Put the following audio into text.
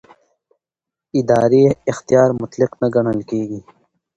اداري اختیار مطلق نه ګڼل کېږي.